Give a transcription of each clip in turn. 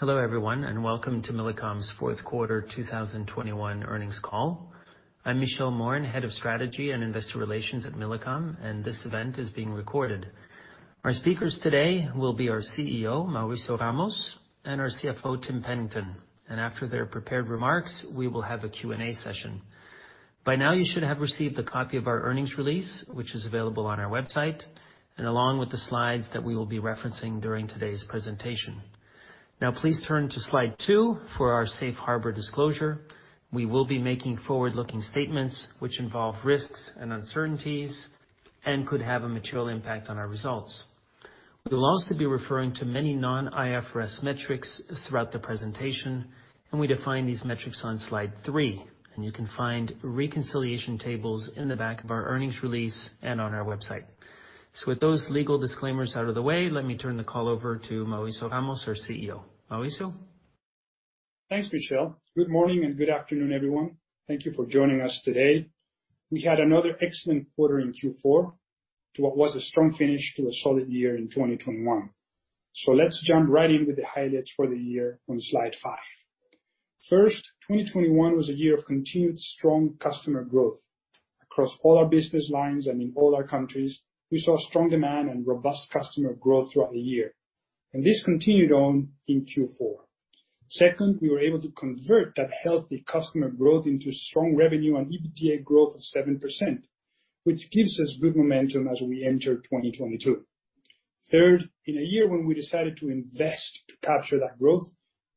Hello, everyone, and welcome to Millicom's fourth quarter 2021 earnings call. I'm Michel Morin, Head of Strategy and Investor Relations at Millicom, and this event is being recorded. Our speakers today will be our CEO, Mauricio Ramos, and our CFO, Tim Pennington. After their prepared remarks, we will have a Q&A session. By now, you should have received a copy of our earnings release, which is available on our website, and along with the slides that we will be referencing during today's presentation. Now please turn to slide two for our safe harbor disclosure. We will be making forward-looking statements which involve risks and uncertainties, and could have a material impact on our results. We will also be referring to many non-IFRS metrics throughout the presentation, and we define these metrics on slide three. You can find reconciliation tables in the back of our earnings release and on our website. With those legal disclaimers out of the way, let me turn the call over to Mauricio Ramos, our CEO. Mauricio? Thanks, Michel. Good morning and good afternoon, everyone. Thank you for joining us today. We had another excellent quarter in Q4 to what was a strong finish to a solid year in 2021. Let's jump right in with the highlights for the year on slide five. First, 2021 was a year of continued strong customer growth. Across all our business lines and in all our countries, we saw strong demand and robust customer growth throughout the year. This continued on in Q4. Second, we were able to convert that healthy customer growth into strong revenue and EBITDA growth of 7%, which gives us good momentum as we enter 2022. Third, in a year when we decided to invest to capture that growth,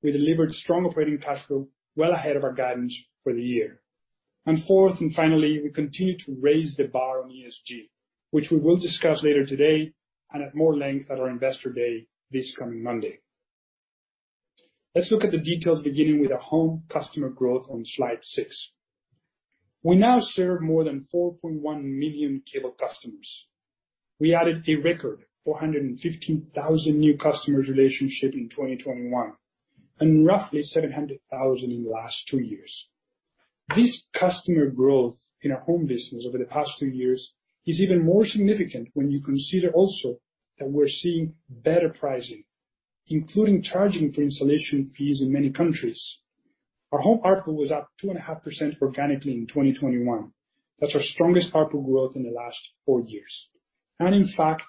we delivered strong operating cash flow well ahead of our guidance for the year. Fourth, and finally, we continued to raise the bar on ESG, which we will discuss later today and at more length at our investor day this coming Monday. Let's look at the details beginning with our home customer growth on slide six. We now serve more than 4.1 million cable customers. We added a record 415,000 new customer relationships in 2021, and roughly 700,000 in the last two years. This customer growth in our home business over the past two years is even more significant when you consider also that we're seeing better pricing, including charging for installation fees in many countries. Our home ARPU was up 2.5% organically in 2021. That's our strongest ARPU growth in the last four years. In fact,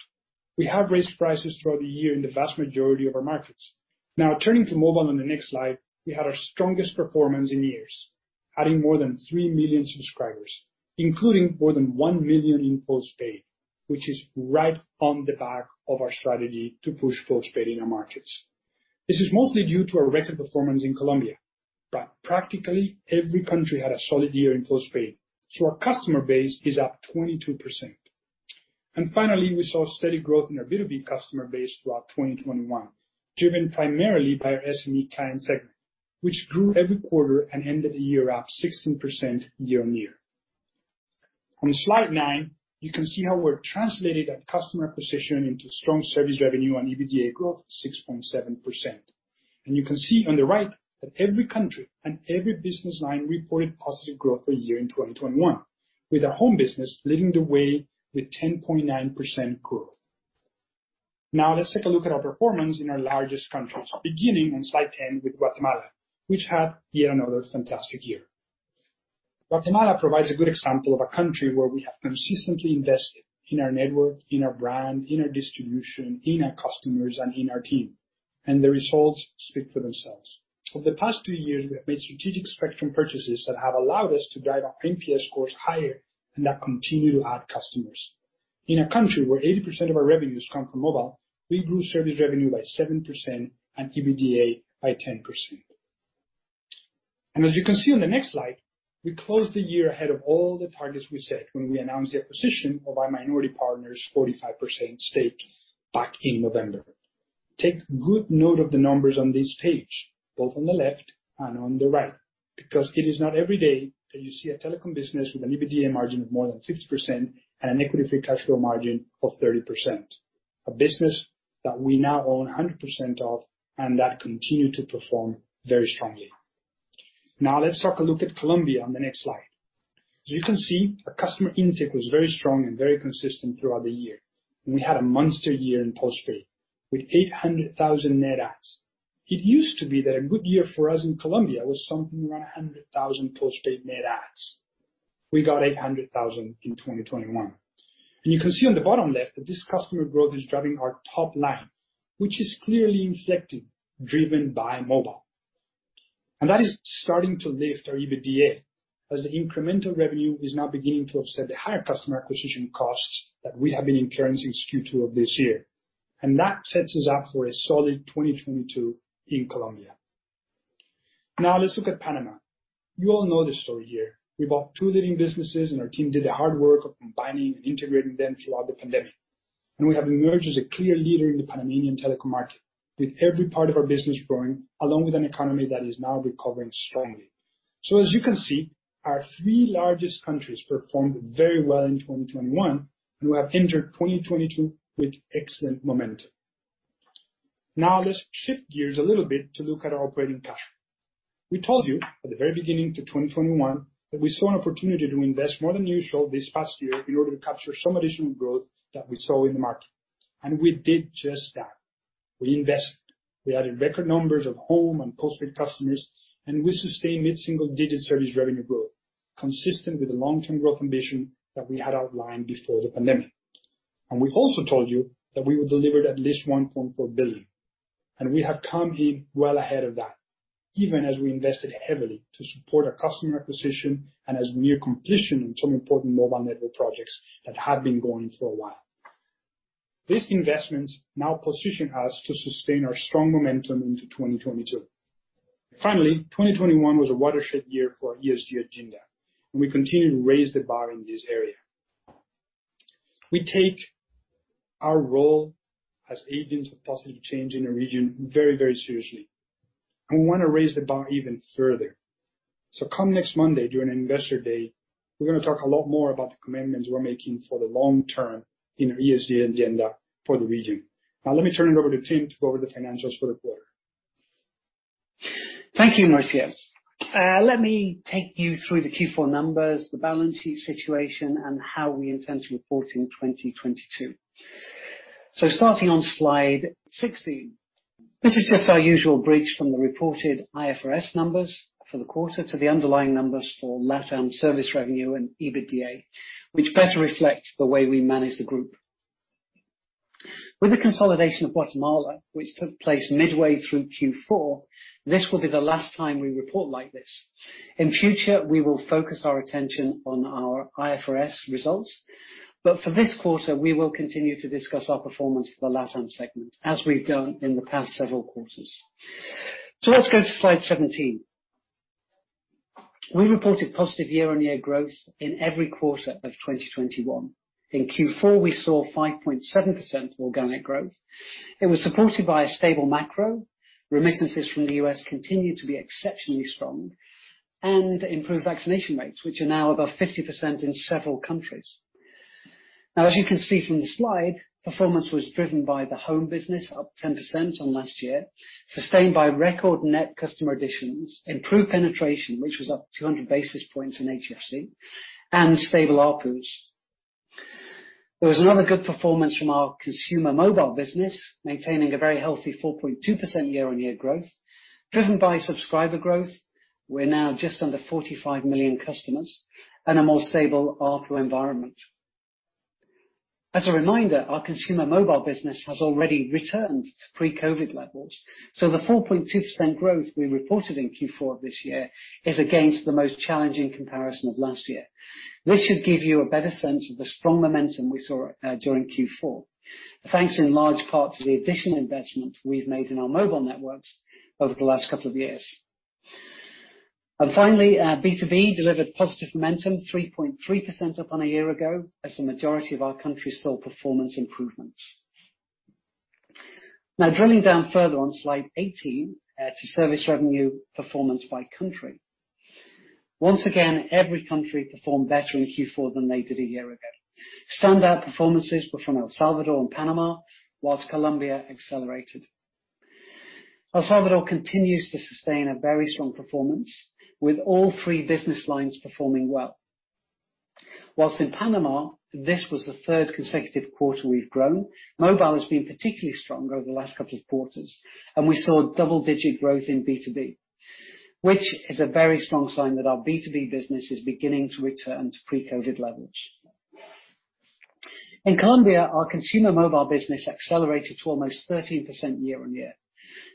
we have raised prices throughout the year in the vast majority of our markets. Now turning to mobile on the next slide, we had our strongest performance in years, adding more than 3 million subscribers, including more than 1 million in post-paid, which is right on the back of our strategy to push post-paid in our markets. This is mostly due to a record performance in Colombia, but practically every country had a solid year in post-paid. Our customer base is up 22%. Finally, we saw steady growth in our B2B customer base throughout 2021, driven primarily by our SME client segment, which grew every quarter and ended the year up 16% year-on-year. On slide nine, you can see how we're translating that customer position into strong service revenue and EBITDA growth, 6.7%. You can see on the right that every country and every business line reported positive growth for a year in 2021, with our home business leading the way with 10.9% growth. Now let's take a look at our performance in our largest countries, beginning on slide 10 with Guatemala, which had yet another fantastic year. Guatemala provides a good example of a country where we have consistently invested in our network, in our brand, in our distribution, in our customers, and in our team, and the results speak for themselves. Over the past two years, we have made strategic spectrum purchases that have allowed us to drive our NPS scores higher and that continue to add customers. In a country where 80% of our revenues come from mobile, we grew service revenue by 7% and EBITDA by 10%. As you can see on the next slide, we closed the year ahead of all the targets we set when we announced the acquisition of our minority partner's 45% stake back in November. Take good note of the numbers on this page, both on the left and on the right, because it is not every day that you see a telecom business with an EBITDA margin of more than 50% and an equity-free cash flow margin of 30%, a business that we now own 100% of and that continued to perform very strongly. Now let's take a look at Colombia on the next slide. As you can see, our customer intake was very strong and very consistent throughout the year, and we had a monster year in postpaid with 800,000 net adds. It used to be that a good year for us in Colombia was something around 100,000 postpaid net adds. We got 800,000 in 2021. You can see on the bottom left that this customer growth is driving our top line, which is clearly inflected, driven by mobile. That is starting to lift our EBITDA, as the incremental revenue is now beginning to offset the higher customer acquisition costs that we have been incurring since Q2 of this year. That sets us up for a solid 2022 in Colombia. Now let's look at Panama. You all know the story here. We bought two leading businesses and our team did the hard work of combining and integrating them throughout the pandemic. We have emerged as a clear leader in the Panamanian telecom market, with every part of our business growing, along with an economy that is now recovering strongly. As you can see, our three largest countries performed very well in 2021, and we have entered 2022 with excellent momentum. Now let's shift gears a little bit to look at our operating cash flow. We told you at the very beginning of 2021 that we saw an opportunity to invest more than usual this past year in order to capture some additional growth that we saw in the market, and we did just that. We invested. We added record numbers of home and postpaid customers, and we sustained mid-single-digit service revenue growth, consistent with the long-term growth ambition that we had outlined before the pandemic. We've also told you that we would deliver at least $1.4 billion, and we have come in well ahead of that, even as we invested heavily to support our customer acquisition and as we near completion on some important mobile network projects that have been going for a while. These investments now position us to sustain our strong momentum into 2022. Finally, 2021 was a watershed year for our ESG agenda, and we continue to raise the bar in this area. We take our role as agents of positive change in the region very, very seriously, and we wanna raise the bar even further. Come next Monday, during Investor Day, we're gonna talk a lot more about the commitments we're making for the long term in our ESG agenda for the region. Now let me turn it over to Tim to go over the financials for the quarter. Thank you, Mauricio. Let me take you through the Q4 numbers, the balance sheet situation, and how we intend to report in 2022. Starting on slide 16, this is just our usual bridge from the reported IFRS numbers for the quarter to the underlying numbers for LatAm service revenue and EBITDA, which better reflect the way we manage the group. With the consolidation of Guatemala, which took place midway through Q4, this will be the last time we report like this. In future, we will focus our attention on our IFRS results, but for this quarter, we will continue to discuss our performance for the LatAm segment, as we've done in the past several quarters. Let's go to slide 17. We reported positive year-on-year growth in every quarter of 2021. In Q4, we saw 5.7% organic growth. It was supported by a stable macro. Remittances from the U.S. continued to be exceptionally strong and improved vaccination rates, which are now above 50% in several countries. Now, as you can see from the slide, performance was driven by the home business, up 10% on last year, sustained by record net customer additions, improved penetration, which was up 200 basis points in HFC, and stable ARPU. There was another good performance from our consumer mobile business, maintaining a very healthy 4.2% year-on-year growth, driven by subscriber growth. We're now just under 45 million customers and a more stable ARPU environment. As a reminder, our consumer mobile business has already returned to pre-COVID levels, so the 4.2% growth we reported in Q4 of this year is against the most challenging comparison of last year. This should give you a better sense of the strong momentum we saw during Q4. Thanks in large part to the additional investment we've made in our mobile networks over the last couple of years. Finally, B2B delivered positive momentum, 3.3% up on a year ago, as the majority of our countries saw performance improvements. Now, drilling down further on slide 18 to service revenue performance by country. Once again, every country performed better in Q4 than they did a year ago. Standout performances were from El Salvador and Panama, while Colombia accelerated. El Salvador continues to sustain a very strong performance, with all three business lines performing well. While in Panama, this was the third consecutive quarter we've grown. Mobile has been particularly strong over the last couple of quarters, and we saw double-digit growth in B2B, which is a very strong sign that our B2B business is beginning to return to pre-COVID levels. In Colombia, our consumer mobile business accelerated to almost 13% year-on-year,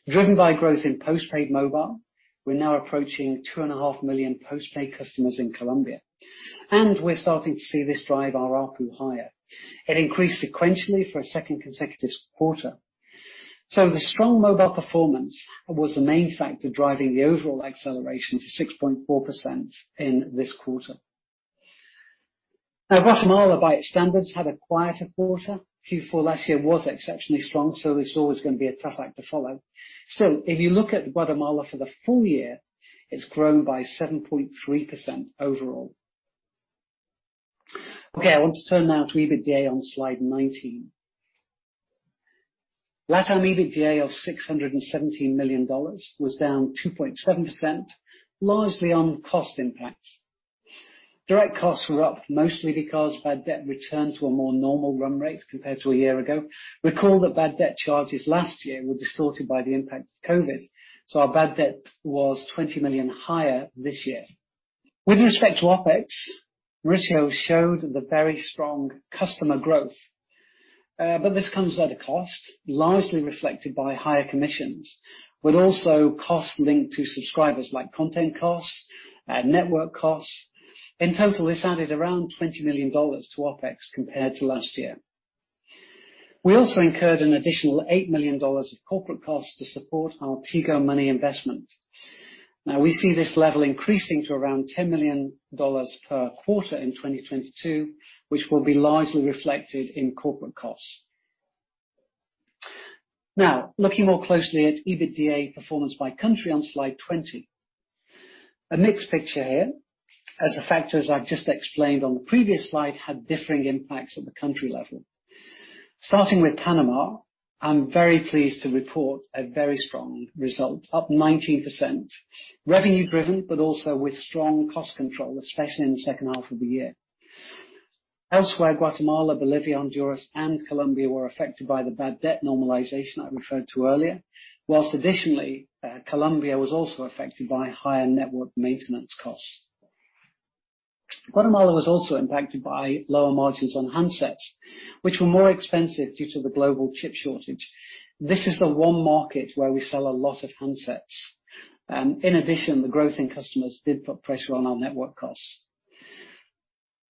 driven by growth in postpaid mobile. We're now approaching 2.5 million postpaid customers in Colombia, and we're starting to see this drive our ARPU higher. It increased sequentially for a second consecutive quarter. The strong mobile performance was the main factor driving the overall acceleration to 6.4% in this quarter. Now, Guatemala, by its standards, had a quieter quarter. Q4 last year was exceptionally strong, so it's always gonna be a tough act to follow. Still, if you look at Guatemala for the full year, it's grown by 7.3% overall. Okay, I want to turn now to EBITDA on slide 19. LatAm EBITDA of $617 million was down 2.7%, largely on cost impacts. Direct costs were up mostly because bad debt returned to a more normal run rate compared to a year ago. Recall that bad debt charges last year were distorted by the impact of COVID, so our bad debt was $20 million higher this year. With respect to OpEx, Mauricio showed the very strong customer growth, but this comes at a cost, largely reflected by higher commissions, with also costs linked to subscribers like content costs and network costs. In total, this added around $20 million to OpEx compared to last year. We also incurred an additional $8 million of corporate costs to support our Tigo Money investment. Now we see this level increasing to around $10 million per quarter in 2022, which will be largely reflected in corporate costs. Now, looking more closely at EBITDA performance by country on slide 20. A mixed picture here, as the factors I've just explained on the previous slide had differing impacts at the country level. Starting with Panama, I'm very pleased to report a very strong result, up 19%. Revenue-driven, but also with strong cost control, especially in the second half of the year. Elsewhere, Guatemala, Bolivia, Honduras, and Colombia were affected by the bad debt normalization I referred to earlier. While additionally, Colombia was also affected by higher network maintenance costs. Guatemala was also impacted by lower margins on handsets, which were more expensive due to the global chip shortage. This is the one market where we sell a lot of handsets. In addition, the growth in customers did put pressure on our network costs.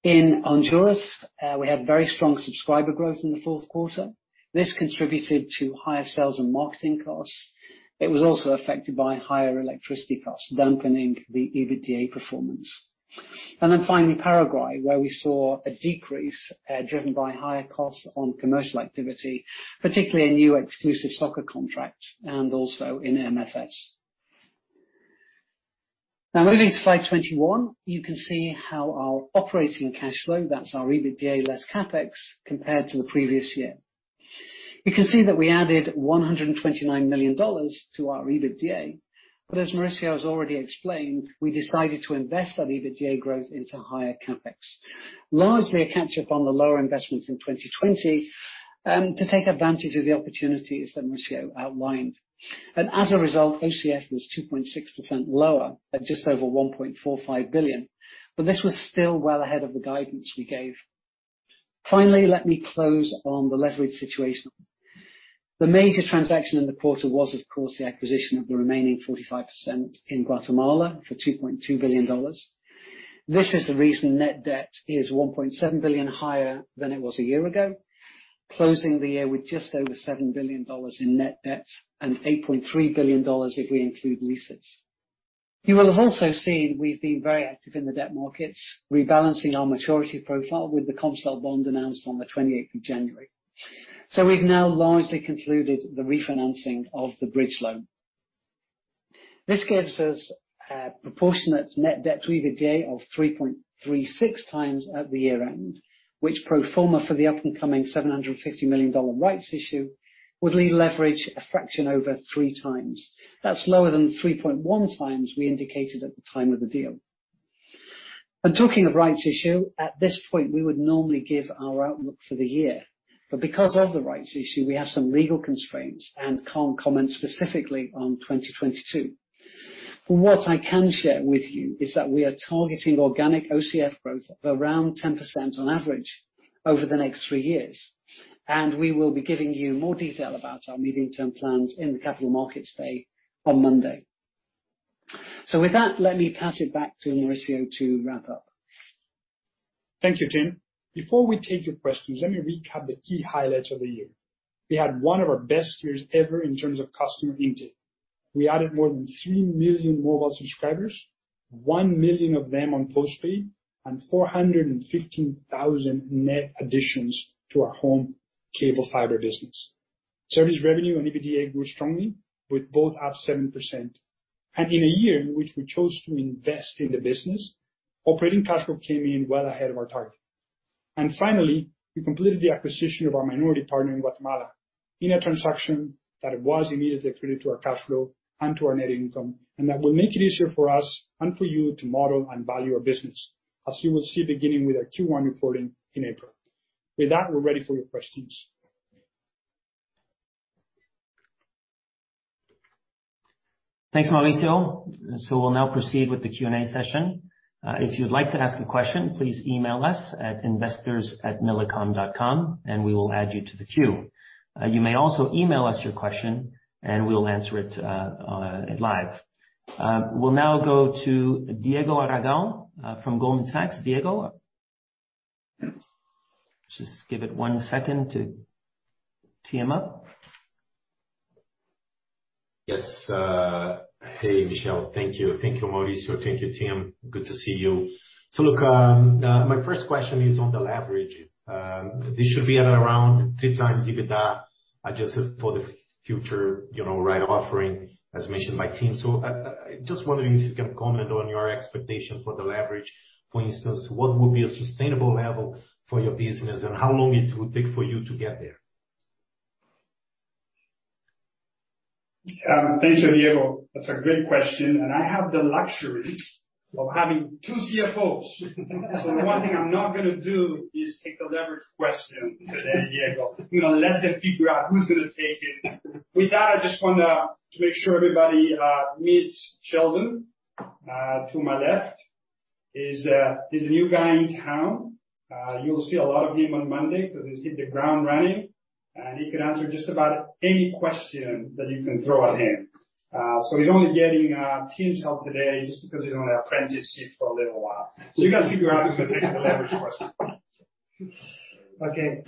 In Honduras, we had very strong subscriber growth in the fourth quarter. This contributed to higher sales and marketing costs. It was also affected by higher electricity costs, dampening the EBITDA performance. Finally, Paraguay, where we saw a decrease, driven by higher costs on commercial activity, particularly a new exclusive soccer contract and also in MFS. Now moving to slide 21, you can see how our operating cash flow, that's our EBITDA less CapEx, compared to the previous year. You can see that we added $129 million to our EBITDA. As Mauricio has already explained, we decided to invest that EBITDA growth into higher CapEx. Largely a catch-up on the lower investments in 2020, to take advantage of the opportunities that Mauricio outlined. As a result, OCF was 2.6% lower at just over $1.45 billion, but this was still well ahead of the guidance we gave. Finally, let me close on the leverage situation. The major transaction in the quarter was, of course, the acquisition of the remaining 45% in Guatemala for $2.2 billion. This is the reason net debt is $1.7 billion higher than it was a year ago, closing the year with just over $7 billion in net debt and $8.3 billion if we include leases. You will have also seen we've been very active in the debt markets, rebalancing our maturity profile with the Comcel bond announced on the 28th of January. We've now largely concluded the refinancing of the bridge loan. This gives us a proportionate net debt to EBITDA of 3.36 times at the year-end, which pro forma for the upcoming $750 million rights issue, would leave leverage a fraction over three times. That's lower than the 3.1 times we indicated at the time of the deal. Talking of rights issue, at this point, we would normally give our outlook for the year. Because of the rights issue, we have some legal constraints, and can't comment specifically on 2022. What I can share with you is that we are targeting organic OCF growth of around 10% on average over the next three years, and we will be giving you more detail about our medium-term plans in the Capital Markets Day on Monday. With that, let me pass it back to Mauricio to wrap up. Thank you, Tim. Before we take your questions, let me recap the key highlights of the year. We had one of our best years ever in terms of customer intake. We added more than 3 million mobile subscribers, 1 million of them on postpaid, and 415,000 net additions to our home cable fiber business. Service revenue and EBITDA grew strongly with both up 7%. In a year in which we chose to invest in the business, operating cash flow came in well ahead of our target. Finally, we completed the acquisition of our minority partner in Guatemala in a transaction that was immediately accretive to our cash flow and to our net income, and that will make it easier for us and for you to model and value our business, as you will see beginning with our Q1 reporting in April. With that, we're ready for your questions. Thanks, Mauricio. We'll now proceed with the Q&A session. If you'd like to ask a question, please email us at investors@millicom.com, and we will add you to the queue. You may also email us your question, and we'll answer it live. We'll now go to Diego Aragão from Goldman Sachs. Diego? Just give it one second to tee him up. Yes. Hey, Michel. Thank you. Thank you, Mauricio. Thank you, Tim. Good to see you. Look, my first question is on the leverage. This should be at around 3x EBITDA, just for the future, you know, right offering, as mentioned by Tim. I just wondering if you can comment on your expectation for the leverage. For instance, what would be a sustainable level for your business, and how long it will take for you to get there? Thank you, Diego. That's a great question. I have the luxury of having two CFOs. The one thing I'm not gonna do is take the leverage question today, Diego. I'm gonna let them figure out who's gonna take it. With that, I just wanna make sure everybody meets Sheldon to my left. He's the new guy in town. You'll see a lot of him on Monday 'cause he's hit the ground running, and he can answer just about any question that you can throw at him. He's only getting Tim's help today just because he's on apprenticeship for a little while. You guys figure out who's gonna take the leverage question. Okay.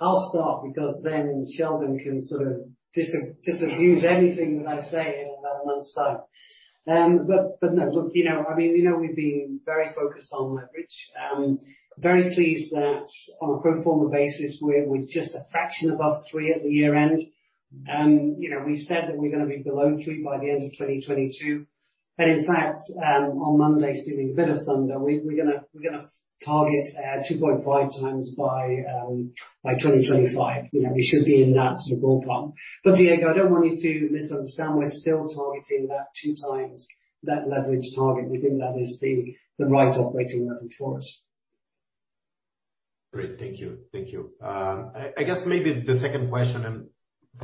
I'll start because then Sheldon can sort of disabuse anything that I say in about a month's time. No, look, you know, I mean, you know we've been very focused on leverage. Very pleased that on a pro forma basis, we're just a fraction above three at the year-end. You know, we said that we're gonna be below three by the end of 2022. In fact, on Monday, stealing a bit of thunder, we're gonna target 2.5x by 2025. You know, we should be in that sort of ballpark. Diego, I don't want you to misunderstand, we're still targeting that 2x, that leverage target. We think that is the right operating level for us. Great. Thank you. I guess maybe the second question and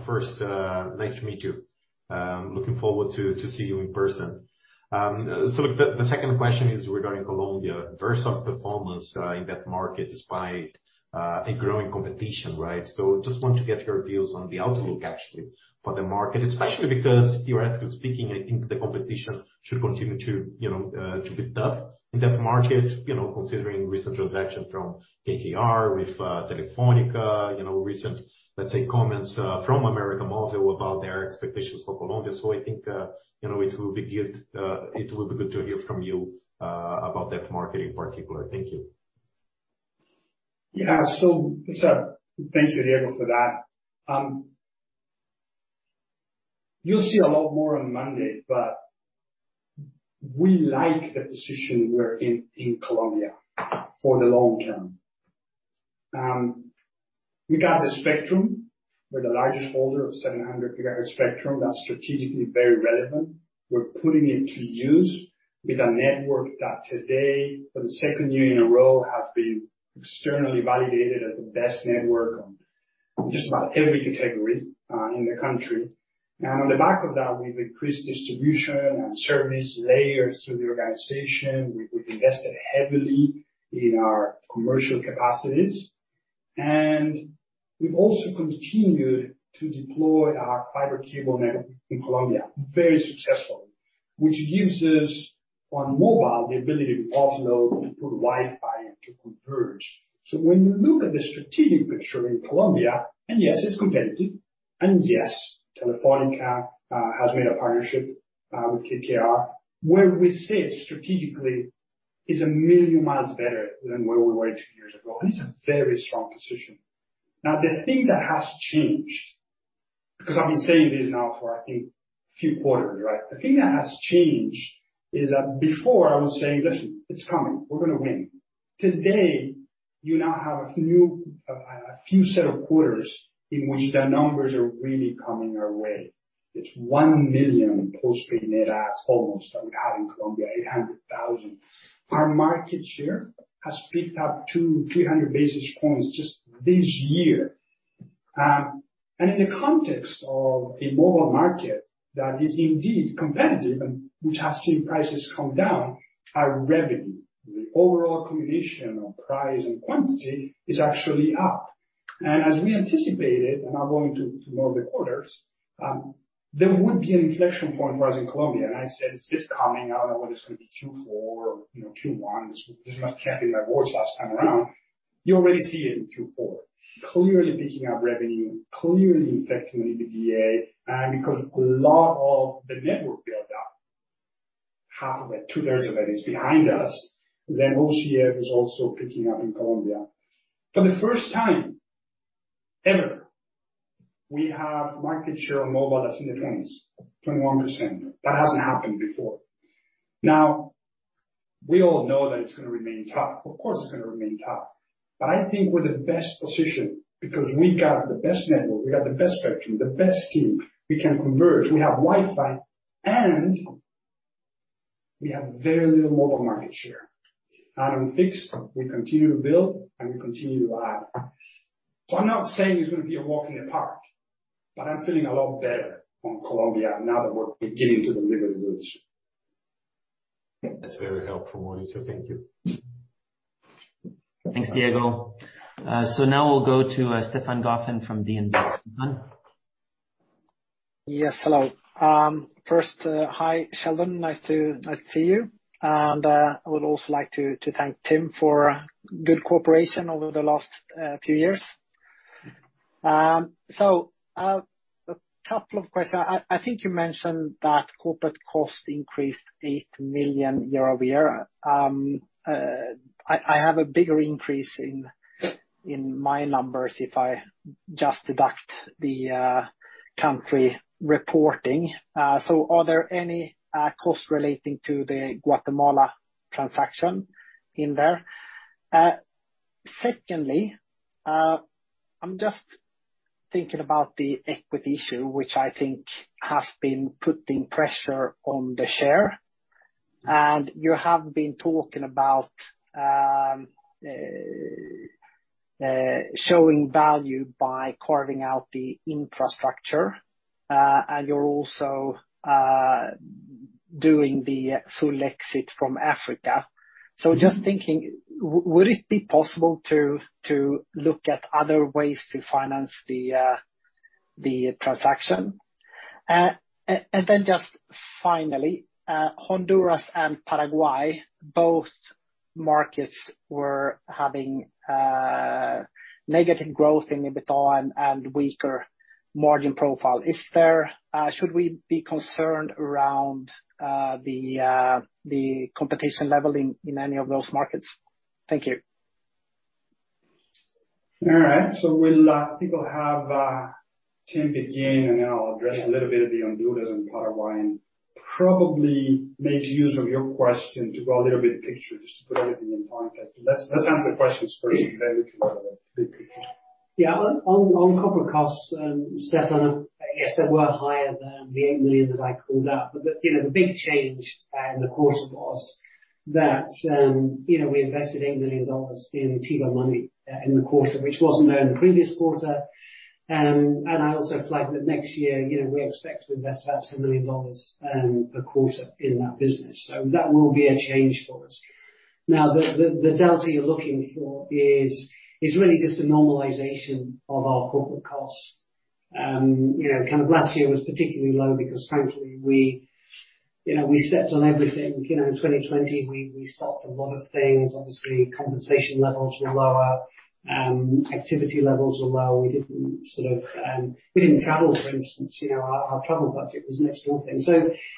first, nice to meet you. Looking forward to see you in person. The second question is regarding Colombia. Versa performance in that market despite a growing competition, right? Just want to get your views on the outlook, actually, for the market, especially because theoretically speaking, I think the competition should continue to, you know, to be tough in that market, you know, considering recent transaction from KKR with Telefónica, you know, recent, let's say, comments from América Móvil about their expectations for Colombia. I think, you know, it will be good to hear from you about that market in particular. Thank you. Yeah. Thanks, Diego, for that. You'll see a lot more on Monday, but we like the position we're in Colombia for the long term. We got the spectrum. We're the largest holder of 700 GHz spectrum that's strategically very relevant. We're putting it to use with a network that today, for the second year in a row, has been externally validated as the best network on just about every category, in the country. Now on the back of that, we've increased distribution and service layers through the organization. We've invested heavily in our commercial capacities. We've also continued to deploy our fiber cable network in Colombia very successfully, which gives us, on mobile, the ability to offload, to put Wi-Fi, and to converge. When you look at the strategic picture in Colombia, and yes, it's competitive, and yes, Telefónica has made a partnership with KKR, where we sit strategically is a million miles better than where we were two years ago. It's a very strong position. Now, the thing that has changed, because I've been saying this now for I think a few quarters, right? The thing that has changed is that before I was saying, "Listen, it's coming, we're gonna win." Today, you now have a new, a few set of quarters in which the numbers are really coming our way. It's 1 million postpaid net adds almost that we have in Colombia, 800,000. Our market share has picked up 200, 300 basis points just this year. In the context of a mobile market that is indeed competitive and which has seen prices come down, our revenue, the overall combination of price and quantity is actually up. As we anticipated, I'm not going to know the quarters, there would be an inflection point for us in Colombia. I said, it's just coming. I don't know whether it's gonna be Q4 or, you know, Q1. This is not comparing quarters last time around. You already see it in Q4, clearly picking up revenue, clearly affecting the EBITDA. Because a lot of the network build up, half of it, two-thirds of it is behind us, then OCF is also picking up in Colombia. For the first time ever, we have market share on mobile that's in the 20s, 21%. That hasn't happened before. Now, we all know that it's gonna remain tough. Of course, it's gonna remain tough, but I think we're the best positioned because we got the best network, we got the best spectrum, the best team. We can converge. We have Wi-Fi and we have very little mobile market share. On fixed, we continue to build and we continue to add. I'm not saying it's gonna be a walk in the park, but I'm feeling a lot better on Colombia now that we're beginning to deliver the goods. That's very helpful, Mauricio thank you. Thanks, Diego. Now we'll go to Stefan Gauffin from DNB. Stefan. Yes. Hello. First, hi, Sheldon. Nice to see you. I would also like to thank Tim for good cooperation over the last few years. So, a couple of questions. I think you mentioned that corporate cost increased $8 million year-over-year. I have a bigger increase in my numbers if I just deduct the country reporting. So are there any costs relating to the Guatemala transaction in there? Secondly, I'm just thinking about the equity issue, which I think has been putting pressure on the share. You have been talking about showing value by carving out the infrastructure, and you're also doing the full exit from Africa. Just thinking, would it be possible to look at other ways to finance the transaction? Just finally, Honduras and Paraguay, both markets were having negative growth in EBITDA and weaker margin profile. Should we be concerned around the competition level in any of those markets? Thank you. All right. We'll, I think we'll have Tim begin, and then I'll address a little bit of the Honduras and Paraguay, and probably make use of your question to give a little bit of the picture just to put everything in context. Let's answer the questions first, then we can go to the big picture. Yeah. On corporate costs, Stefan, yes, they were higher than the $8 million that I called out. The big change in the quarter was that, you know, we invested $8 million in Tigo Money in the quarter, which wasn't there in the previous quarter. I also flagged that next year, you know, we expect to invest about $2 million per quarter in that business. That will be a change for us. Now, the delta you're looking for is really just a normalization of our corporate costs. You know, kind of last year was particularly low because frankly, we stepped on everything. You know, in 2020 we stopped a lot of things. Obviously, compensation levels were lower. Activity levels were low. We didn't sort of travel, for instance. You know, our travel budget was next to nothing.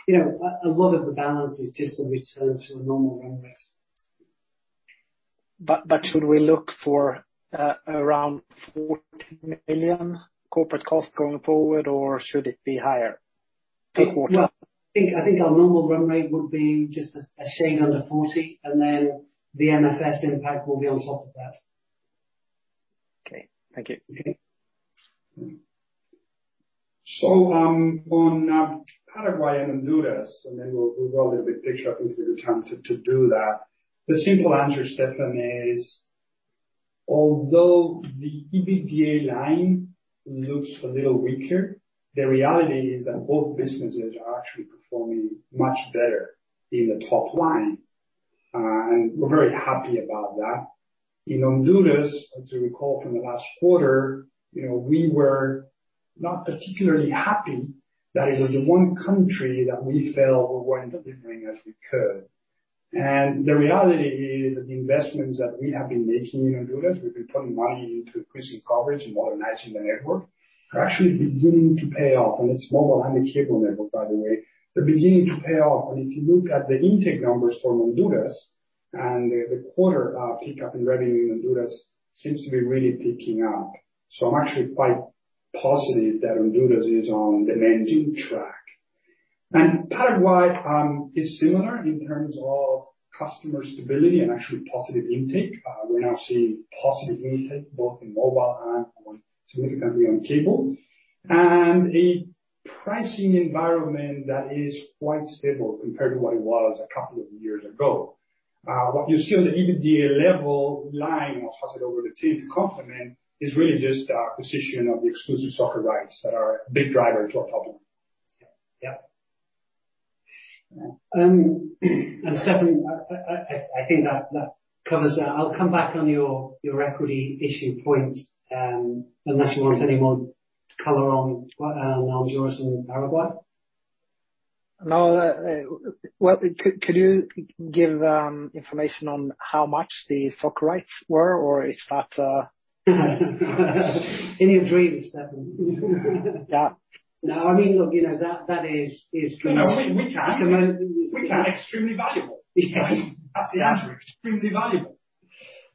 You know, a lot of the balance is just a return to a normal run rate. Should we look for around $40 million corporate costs going forward, or should it be higher? Well, I think our normal run rate would be just a shade under 40, and then the MFS impact will be on top of that. Okay. Thank you. Okay. On Paraguay and Honduras, and then we'll go a little bigger picture. I think it's a good time to do that. The simple answer, Stefan, is although the EBITDA line looks a little weaker, the reality is that both businesses are actually performing much better in the top line. We're very happy about that. In Honduras, as you recall from the last quarter, you know, we were not particularly happy that it was the one country that we felt we weren't delivering as we could. The reality is that the investments that we have been making in Honduras, we've been putting money into increasing coverage and modernizing the network, are actually beginning to pay off. It's mobile and the cable network, by the way. They're beginning to pay off. If you look at the intake numbers for Honduras and the quarter pickup in revenue in Honduras seems to be really picking up. I'm actually quite positive that Honduras is on the right track. Paraguay is similar in terms of customer stability and actually positive intake. We're now seeing positive intake both in mobile and more significantly on cable. A pricing environment that is quite stable compared to what it was a couple of years ago. What you see on the EBITDA level line, or toss it over to Tim to comment, is really just the acquisition of the exclusive soccer rights that are a big driver to our problem. Yeah. Stefan, I think that covers that. I'll come back on your equity issue point, unless you want any more color on Honduras and Paraguay. No. Well, could you give information on how much the soccer rights were or is that In your dreams, Stefan. Yeah. No, I mean, look, you know that. No, no, we can. It's commercially We can. Extremely valuable. It is. That's the answer. Extremely valuable.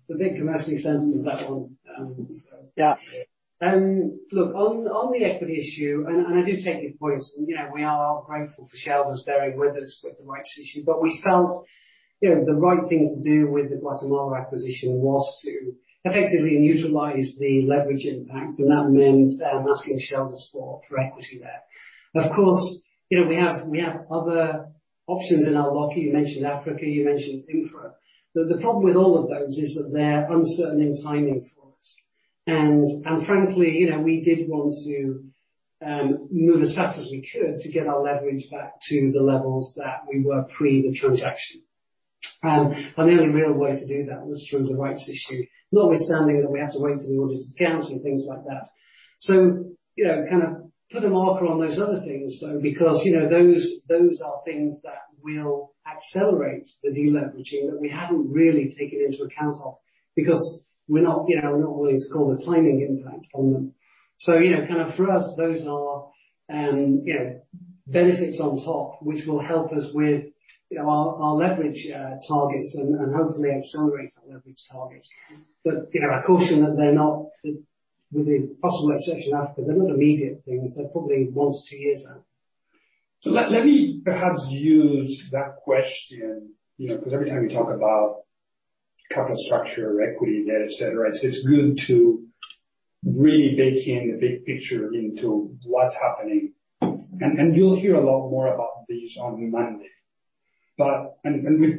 It's a bit commercially sensitive, that one. Yeah. Look, on the equity issue, and I do take your point, you know, we are grateful for shareholders bearing with us with the rights issue, but we felt, you know, the right thing to do with the Guatemala acquisition was to effectively neutralize the leverage impact, and that meant asking shareholders for equity there. Of course, you know, we have other options in our locker. You mentioned Africa, you mentioned infra. The problem with all of those is that they're uncertain in timing for us. Frankly, you know, we did want to move as fast as we could to get our leverage back to the levels that we were pre the transaction. The only real way to do that was through the rights issue, notwithstanding that we have to wait till the audit accounts and things like that. You know, kind of put a marker on those other things, though, because, you know, those are things that will accelerate the deleveraging that we haven't really taken into account of because we're not, you know, we're not willing to call the timing impact on them. You know, kind of for us, those are, you know, benefits on top, which will help us with, you know, our leverage targets and hopefully accelerate our leverage targets. You know, I caution that they're not the, with the possible exception of Africa, they're not immediate things. They're probably one to two years out. Let me perhaps use that question, you know, because every time you talk about capital structure or equity et cetera, it's good to really bake in the big picture into what's happening. We've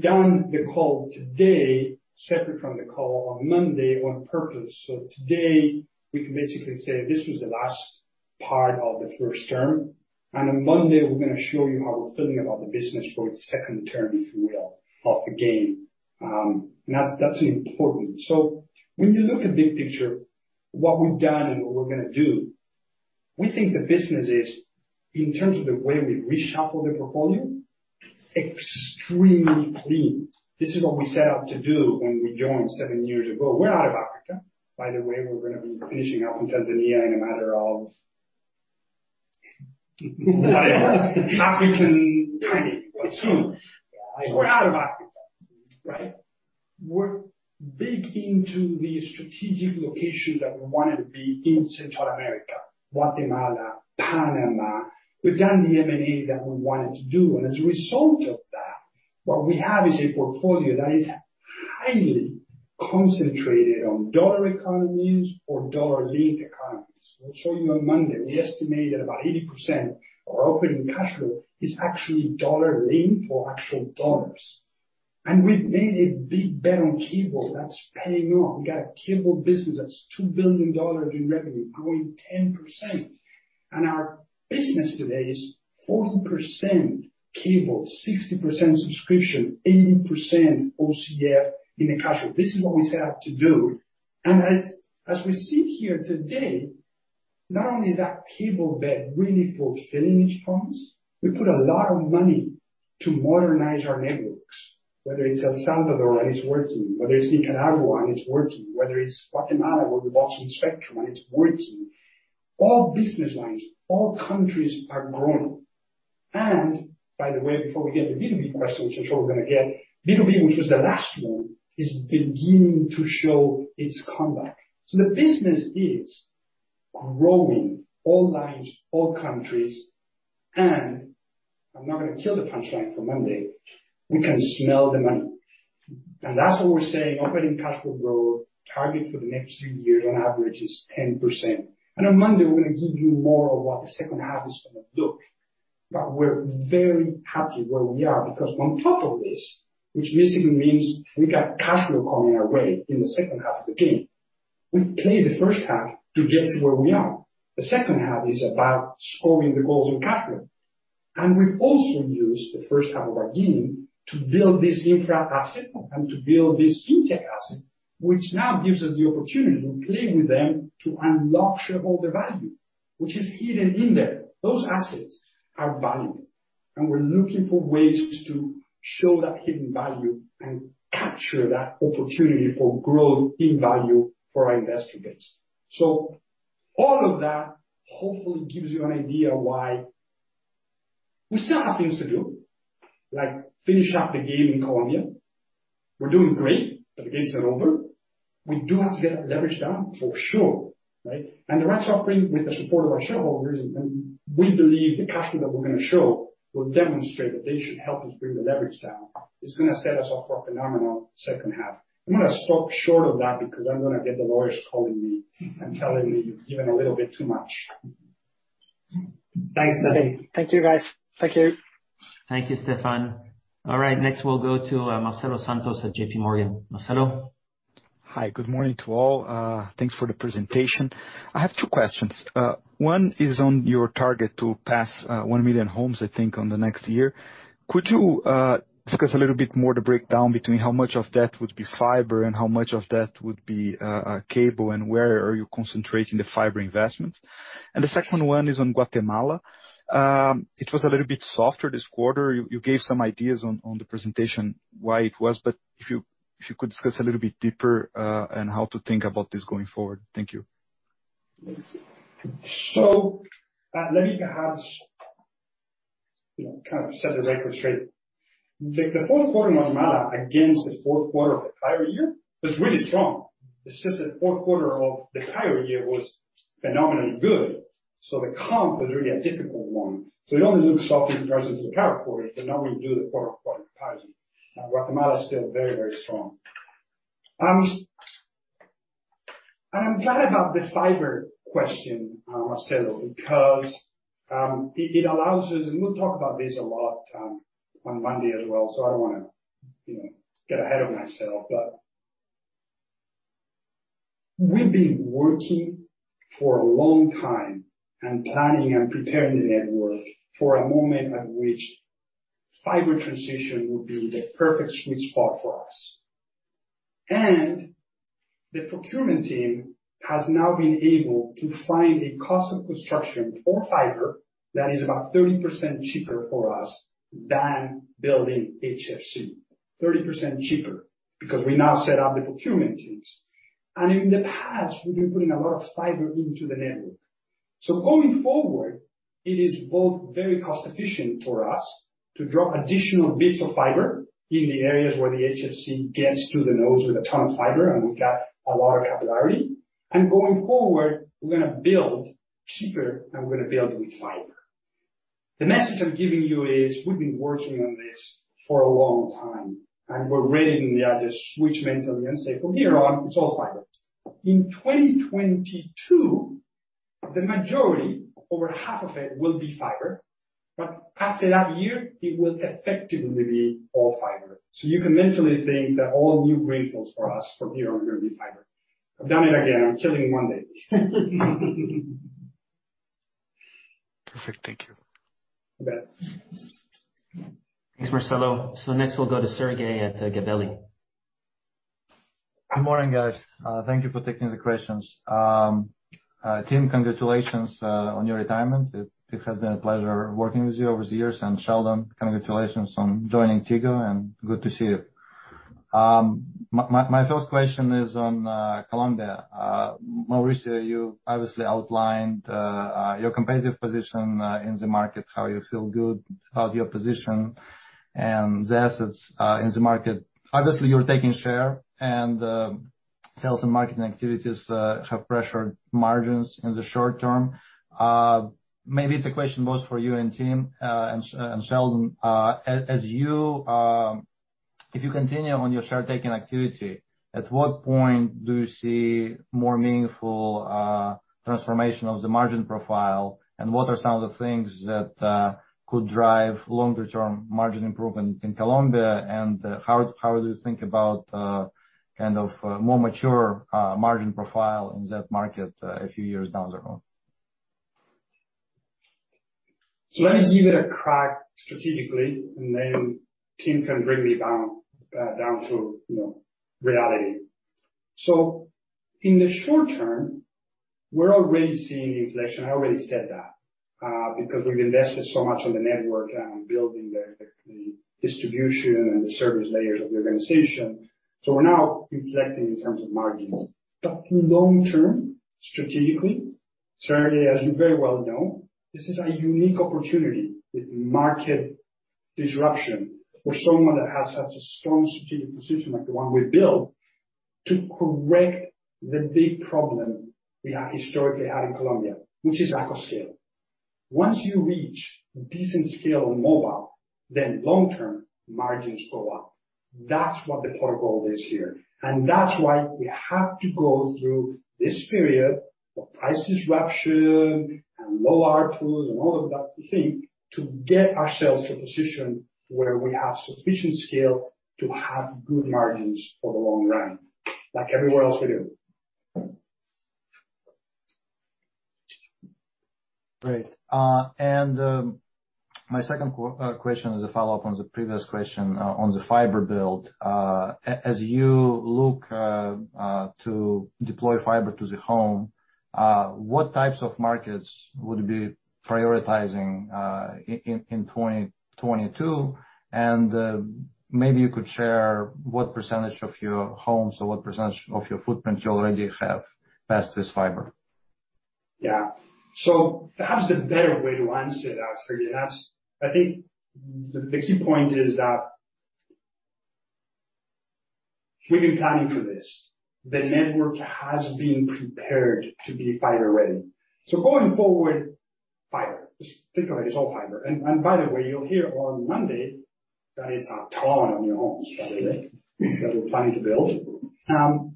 done the call today separate from the call on Monday on purpose. Today, we can basically say this was the last part of the first term, and on Monday we're gonna show you how we're feeling about the business for its second term, if you will, of the game. That's important. When you look at big picture, what we've done and what we're gonna do, we think the business is, in terms of the way we reshuffled the portfolio, extremely clean. This is what we set out to do when we joined seven years ago. We're out of Africa, by the way. We're gonna be finishing up in Tanzania in a matter of African time, but soon. We're out of Africa, right? We're big into the strategic location that we wanna be in Central America, Guatemala, Panama. We've done the M&A that we wanted to do. As a result of that, what we have is a portfolio that is highly concentrated on dollar economies or dollar-linked economies. We'll show you on Monday. We estimated about 80% of our operating cash flow is actually dollar-linked or actual dollars. We've made a big bet on cable that's paying off. We got a cable business that's $2 billion in revenue, growing 10%. Our business today is 40% cable, 60% subscription, 80% OCF in the cash flow. This is what we set out to do. As we sit here today, not only is our cable bet really fulfilling its promise, we put a lot of money to modernize our networks, whether it's El Salvador and it's working, whether it's Nicaragua and it's working, whether it's Guatemala, where we bought some spectrum and it's working. All business lines, all countries are growing. By the way, before we get the B2B question, which I'm sure we're gonna get, B2B, which was the last one, is beginning to show its comeback. The business is growing, all lines, all countries, and I'm not gonna kill the punchline for Monday, we can smell the money. That's what we're saying, operating cash flow growth target for the next three years on average is 10%. On Monday, we're gonna give you more of what the second half is gonna look. We're very happy where we are because on top of this, which basically means we got cash flow coming our way in the second half of the game. We played the first half to get to where we are. The second half is about scoring the goals on cash flow. We've also used the first half of our game to build this infra asset and to build this Fintech asset, which now gives us the opportunity to play with them to unlock shareholder value, which is hidden in there. Those assets are valued, and we're looking for ways to show that hidden value and capture that opportunity for growth in value for our investor base. All of that hopefully gives you an idea why we still have things to do, like finish up the game in Colombia. We're doing great, but the game's not over. We do have to get that leverage down for sure, right? The rights offering with the support of our shareholders, and we believe the cash flow that we're gonna show will demonstrate that they should help us bring the leverage down. It's gonna set us up for a phenomenal second half. I'm gonna stop short of that because I'm gonna get the lawyers calling me and telling me you've given a little bit too much. Thanks, guys. Thank you, guys. Thank you. Thank you, Stefan. All right, next we'll go to Marcelo Santos at JPMorgan. Marcelo? Hi, good morning to all. Thanks for the presentation. I have two questions. One is on your target to pass 1 million homes, I think, on the next year. Could you discuss a little bit more the breakdown between how much of that would be fiber and how much of that would be cable, and where are you concentrating the fiber investments? The second one is on Guatemala. It was a little bit softer this quarter. You gave some ideas on the presentation why it was, but if you could discuss a little bit deeper, and how to think about this going forward. Thank you. Let me perhaps, you know, kind of set the record straight. The fourth quarter in Guatemala against the fourth quarter of the prior year was really strong. It's just the fourth quarter of the prior year was phenomenally good, so the comp was really a difficult one. It only looks soft in comparison to the prior quarter, but now when you do the quarter comparison, Guatemala is still very, very strong. I'm glad about the fiber question, Marcelo, because it allows us, and we'll talk about this a lot on Monday as well, so I don't wanna, you know, get ahead of myself. We've been working for a long time and planning and preparing the network for a moment at which fiber transition would be the perfect sweet spot for us. The procurement team has now been able to find a cost of construction for fiber that is about 30% cheaper for us than building HFC. 30% cheaper because we now set up the procurement teams. In the past, we've been putting a lot of fiber into the network. Going forward, it is both very cost efficient for us to drop additional bits of fiber in the areas where the HFC gets to the nodes with a ton of fiber, and we've got a lot of capillarity. Going forward, we're gonna build cheaper, and we're gonna build with fiber. The message I'm giving you is, we've been working on this for a long time, and we're ready to just switch mentally and say, from here on, it's all fiber. In 2022, the majority, over half of it will be fiber. After that year, it will effectively be all fiber. You can mentally think that all new greenfields for us from here on are gonna be fiber. I've done it again. I'm killing Monday. Perfect. Thank you. You bet. Thanks, Marcelo. Next we'll go to Sergey Dluzhevskiy at Gabelli Funds. Good morning, guys. Thank you for taking the questions. Tim, congratulations on your retirement. It has been a pleasure working with you over the years. Sheldon, congratulations on joining Tigo, and good to see you. My first question is on Colombia. Mauricio, you obviously outlined your competitive position in the market, how you feel good about your position and the assets in the market. Obviously, you're taking share and sales and marketing activities have pressured margins in the short term. Maybe it's a question both for you and Tim and Sheldon. If you continue on your share taking activity, at what point do you see more meaningful transformation of the margin profile? What are some of the things that could drive longer term margin improvement in Colombia? How do you think about kind of more mature margin profile in that market a few years down the road? Let me give it a crack strategically, and then Tim can bring me down to, you know, reality. In the short term, we're already seeing inflation. I already said that, because we've invested so much on the network and building the distribution and the service layers of the organization. We're now reflecting in terms of margins. Long term, strategically, Sergey, as you very well know, this is a unique opportunity with market disruption for someone that has such a strong strategic position like the one we've built to correct the big problem we have historically had in Colombia, which is acquisition. Once you reach decent scale in mobile, then long term margins go up. That's what the pot of gold is here. That's why we have to go through this period of price disruption and low ARPU and all of that to think, to get ourselves to a position where we have sufficient scale to have good margins for the long run, like everywhere else we do. Great. My second question is a follow-up on the previous question on the fiber build. As you look to deploy fiber to the home, what types of markets would be prioritizing in 2022? Maybe you could share what percentage of your homes or what percentage of your footprint you already have passed this fiber. Yeah. Perhaps the better way to answer that, Sergey, that's, I think, the key point is that we've been planning for this. The network has been prepared to be fiber ready. Going forward, fiber, just think of it's all fiber. By the way, you'll hear on Monday that it's a ton of new homes that we're building, that we're planning to build.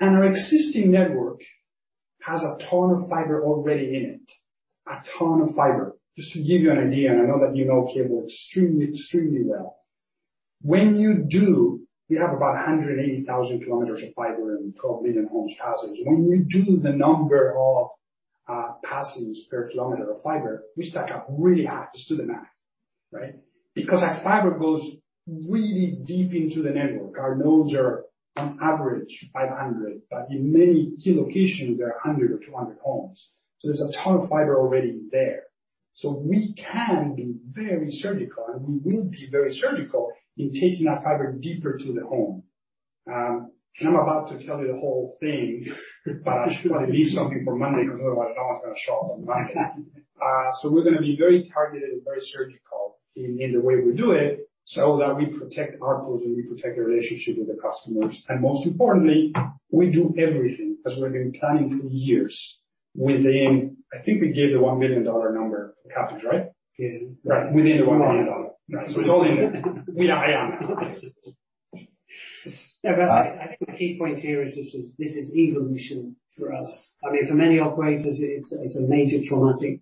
Our existing network has a ton of fiber already in it, a ton of fiber. Just to give you an idea, and I know that you know cable extremely well. When you do, we have about 180,000 km of fiber and 12 million homes passed. When we do the number of passes per kilometer of fiber, we stack up really high to the standard math, right? Because that fiber goes really deep into the network. Our nodes are on average 500, but in many key locations there are 100 or 200 homes. There's a ton of fiber already there. We can be very surgical, and we will be very surgical in taking that fiber deeper to the home. I'm about to tell you the whole thing, but I wanna leave something for Monday 'cause otherwise no one's gonna show up on Monday. We're gonna be very targeted and very surgical in the way we do it, so that we protect ARPU and we protect the relationship with the customers. Most importantly, we do everything as we've been planning for years within. I think we gave the $1 million number for CapEx, right? Yeah. Right. Within the $1 million. It's all in there. I am. I think the key point here is this is evolution for us. I mean, for many operators, it's a major traumatic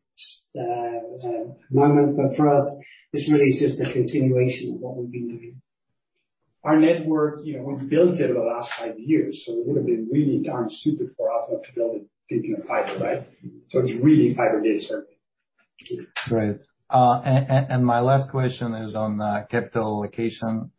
moment. For us, this really is just a continuation of what we've been doing. Our network, you know, we've built it over the last five years, so it would have been really darn stupid for us not to build it deep in fiber, right? It's really fiber data center. Great. My last question is on capital allocation.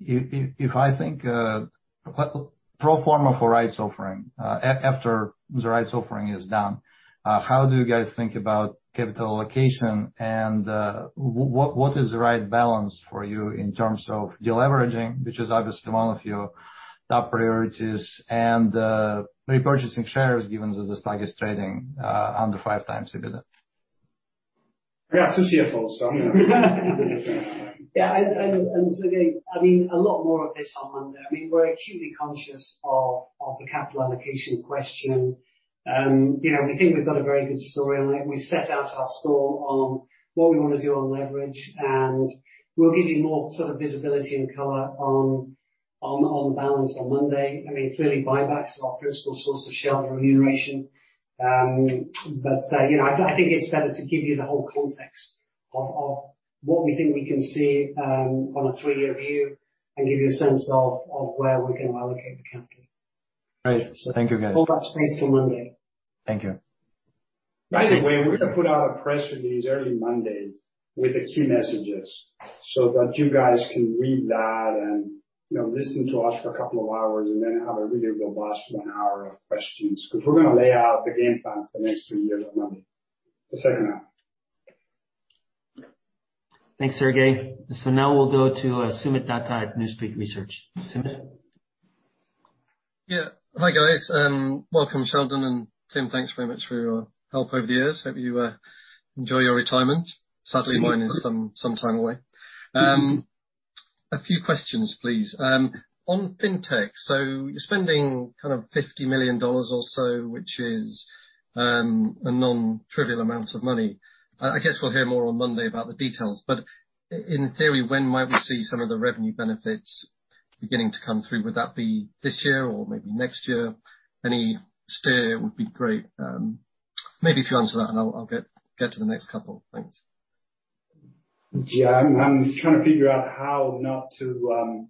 If I think what pro forma for rights offering after the rights offering is done, how do you guys think about capital allocation and what is the right balance for you in terms of deleveraging, which is obviously one of your top priorities, and repurchasing shares given that the stock is trading under 5x EBITDA? Yeah. It's a CFO, so I'm gonna let him take a turn at that one. Again, I mean, a lot more of this on Monday. I mean, we're acutely conscious of the capital allocation question. You know, we think we've got a very good story on it. We set out our stall on what we wanna do on leverage, and we'll give you more sort of visibility and color on the balance on Monday. I mean, clearly buyback's our critical source of shareholder remuneration. You know, I think it's better to give you the whole context of what we think we can see on a three-year view and give you a sense of where we're gonna allocate the capital. Great. Thank you, guys. Hold that space till Monday. Thank you. By the way, we're gonna put out a press release early Monday with the key messages so that you guys can read that. You know, listen to us for a couple of hours and then have a really robust one hour of questions, because we're gonna lay out the game plan for the next three years on Monday, the second half. Thanks, Sergey. Now we'll go to Soomit Datta at New Street Research. Soomit? Yeah. Hi, guys. Welcome, Sheldon and Tim. Thanks very much for your help over the years. Hope you enjoy your retirement. Sadly, mine is some time away. A few questions, please. On Fintech. So you're spending kind of $50 million or so, which is a non-trivial amount of money. I guess we'll hear more on Monday about the details, but in theory, when might we see some of the revenue benefits beginning to come through? Would that be this year or maybe next year? Any steer would be great. Maybe if you answer that and I'll get to the next couple. Thanks. Yeah. I'm trying to figure out how not to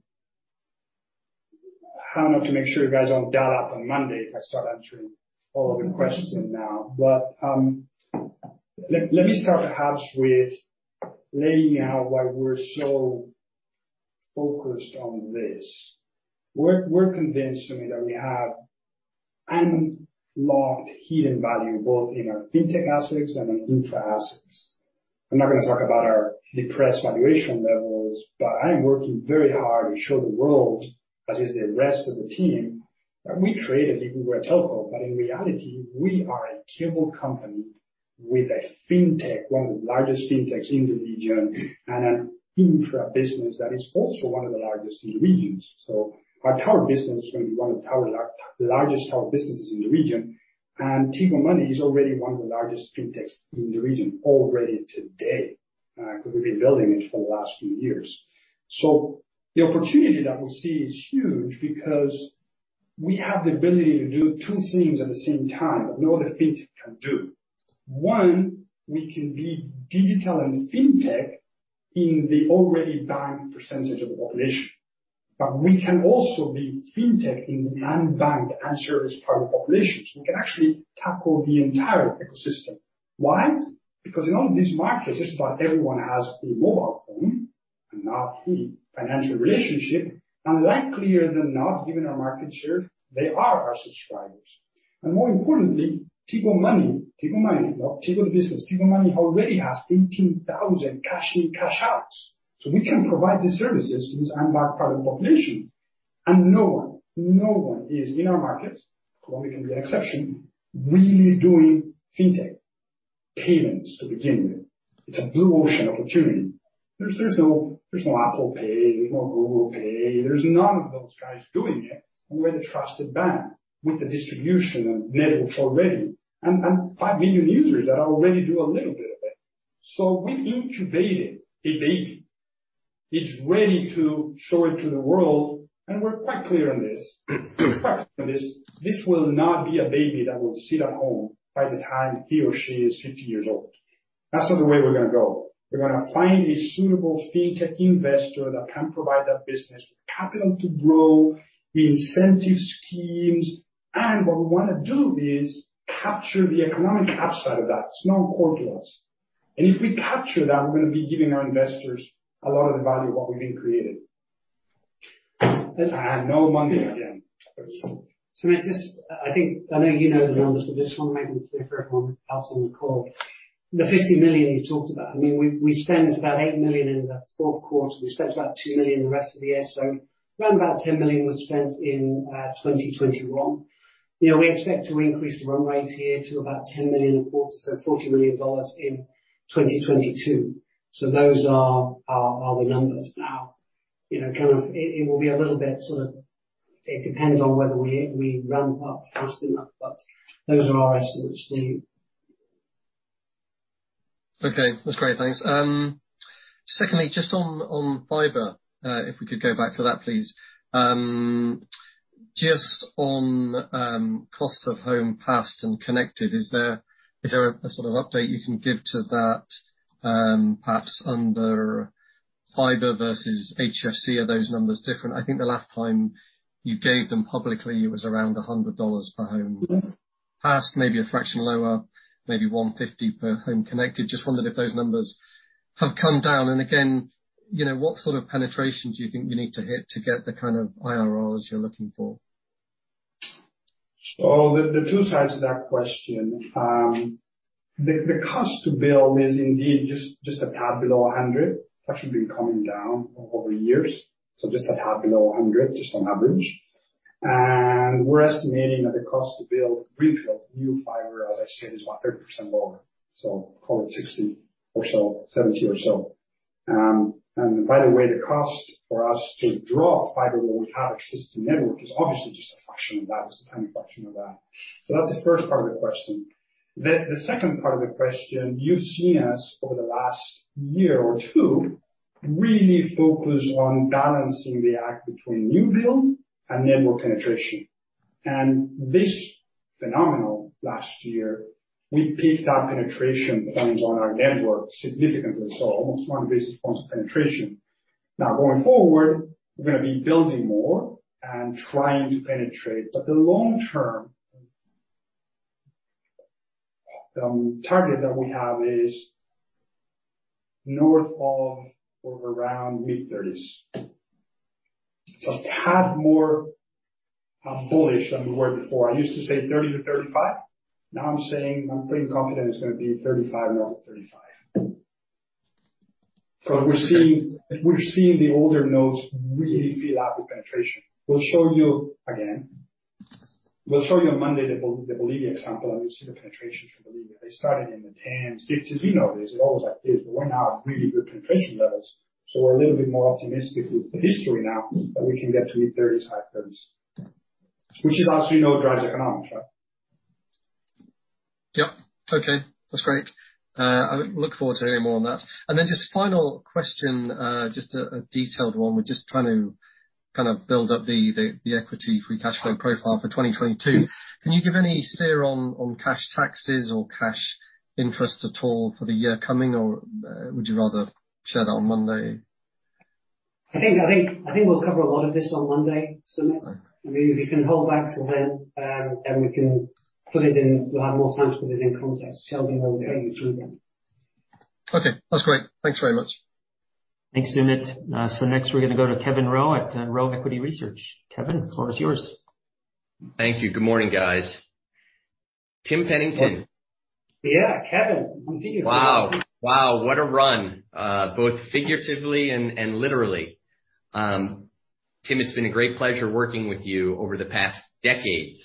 make sure you guys don't dial up on Monday if I start answering all of your questions now. Let me start perhaps with laying out why we're so focused on this. We're convinced, Soomit, that we have unlocked hidden value both in our Fintech assets and in infra assets. I'm not gonna talk about our depressed valuation levels, but I am working very hard to show the world, as is the rest of the team, that we trade as if we were a telco, but in reality, we are a cable company with a Fintech, one of the largest Fintechs in the region, and an infra business that is also one of the largest in the region. Our tower business is gonna be one of the largest tower businesses in the region, and Tigo Money is already one of the largest Fintechs in the region already today, because we've been building it for the last few years. The opportunity that we see is huge because we have the ability to do two things at the same time that no other Fintech can do. One, we can be digital and Fintech in the already banked percentage of the population. We can also be Fintech in the unbanked unserved part of the population, so we can actually tackle the entire ecosystem. Why? Because in all these markets, just about everyone has a mobile phone and not any financial relationship. Likelier than not, given our market share, they are our subscribers. More importantly, Tigo Money, not Tigo Business. Tigo Money already has 18,000 cash-in/cash-outs, so we can provide the services to this unbanked part of the population. No one is in our market, so we can be an exception, really doing Fintech payments to begin with. It's a blue ocean opportunity. There's no Apple Pay, there's no Google Pay, there's none of those guys doing it. We're the trusted bank with the distribution and network already and 5 million users that already do a little bit of it. We've incubated the baby. It's ready to show it to the world, and we're quite clear on this. This will not be a baby that will sit at home by the time he or she is 50 years old. That's not the way we're gonna go. We're gonna find a suitable Fintech investor that can provide that business with capital to grow the incentive schemes. What we wanna do is capture the economic upside of that. It's non-core to us. If we capture that, we're gonna be giving our investors a lot of the value of what we've been creating. No money again. Soomit, just, I think I know you know the numbers, but just wanna make them clear for everyone else on the call. The $50 million you talked about, I mean, we spent about $8 million in the fourth quarter. We spent about $2 million the rest of the year. So around $10 million was spent in 2021. You know, we expect to increase the run rate here to about $10 million a quarter, so $40 million in 2022. So those are the numbers. Now, you know, kind of it will be a little bit sort of. It depends on whether we ramp up fast enough, but those are our estimates. The Okay. That's great. Thanks. Secondly, just on fiber, if we could go back to that, please. Just on cost of home passed and connected, is there a sort of update you can give to that, perhaps under fiber versus HFC? Are those numbers different? I think the last time you gave them publicly, it was around $100 per home passed, maybe a fraction lower, maybe $150 per home connected. Just wondered if those numbers have come down. Again, you know, what sort of penetration do you think you need to hit to get the kind of IRRs you're looking for? The two sides to that question. The cost to build is indeed a tad below $100. It's actually been coming down over years. Just a tad below $100, just on average. We're estimating that the cost to build greenfield new fiber, as I said, is about 30% lower, so call it $60 or so, $70 or so. By the way, the cost for us to drop fiber where we have existing network is obviously just a fraction of that. It's a tiny fraction of that. That's the first part of the question. The second part of the question, you've seen us over the last year or two really focus on balancing the act between new build and network penetration. This phenomenon last year, we peaked our penetration plans on our network significantly, so almost 100 basis points of penetration. Now going forward, we're gonna be building more and trying to penetrate, but the long-term target that we have is north of or around mid-30s. A tad more bullish than we were before. I used to say 30-35%. Now I'm saying I'm pretty confident it's gonna be 35%, north of 35%. We're seeing the older nodes really fill up with penetration. We'll show you again. We'll show you on Monday the Bolivia example, and you'll see the penetration from Bolivia. They started in the 10s. Because we know this, it always like this, but we're now at really good penetration levels, so we're a little bit more optimistic with the hindsight now that we can get to mid-30s, high 30s. Which is actually no drives economics, right? Yep. Okay. That's great. I look forward to hearing more on that. Just final question, just a detailed one. We're just trying to kind of build up the equity free cash flow profile for 2022. Can you give any steer on cash taxes or cash interest at all for the year coming or would you rather share that on Monday? I think we'll cover a lot of this on Monday, Soomit. Maybe if you can hold back till then we can put it in context. We'll have more time to put it in context. Sheldon will take you through then. Okay. That's great. Thanks very much. Thanks, Soomit. Next we're gonna go to Kevin Roe at Roe Equity Research. Kevin, the floor is yours. Thank you. Good morning, guys. Tim Pennington. Yeah, Kevin. Good to see you. Wow. Wow, what a run, both figuratively and literally. Tim, it's been a great pleasure working with you over the past decades.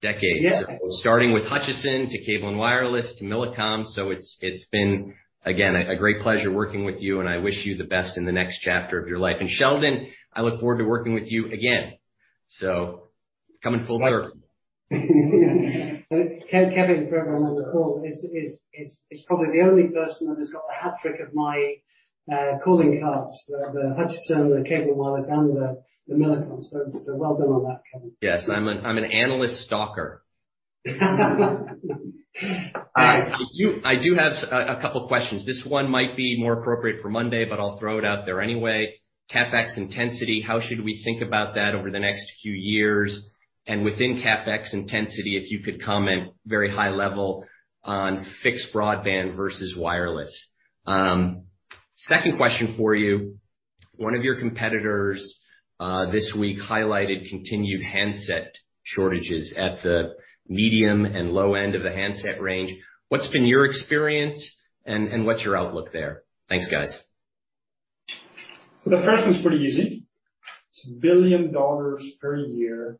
Yeah. Starting with Hutchison to Cable & Wireless to Millicom. It's been, again, a great pleasure working with you, and I wish you the best in the next chapter of your life. Sheldon, I look forward to working with you again. Coming full circle. Yeah. Kevin, for everyone on the call, is probably the only person that has got the hat trick of my calling cards. The Hutchison, the Cable & Wireless and the Millicom. So well done on that, Kevin. Yes. I'm an analyst stalker. I do have a couple of questions. This one might be more appropriate for Monday, but I'll throw it out there anyway. CapEx intensity, how should we think about that over the next few years? Within CapEx intensity, if you could comment very high level on fixed broadband versus wireless. Second question for you. One of your competitors, this week highlighted continued handset shortages at the medium and low end of the handset range. What's been your experience and what's your outlook there? Thanks, guys. The first one's pretty easy. It's $1 billion per year,